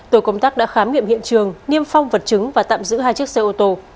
tổ công tác đã khám nghiệm hiện trường niêm phong vật chứng và tạm giữ hai chiếc xe ô tô